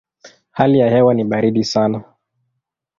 Hali ya hewa ni baridi sana.